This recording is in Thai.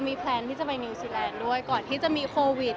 มีแพลนที่จะไปนิวซีแลนด์ด้วยก่อนที่จะมีโควิด